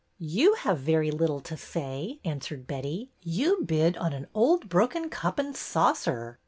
You have very little to say," answered Betty. You bid on an old broken cup and saucer."